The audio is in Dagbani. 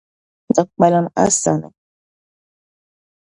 Di kpalim a sani.